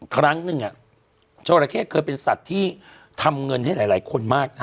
ครั้งหนึ่งจราเข้เคยเป็นสัตว์ที่ทำเงินให้หลายคนมาก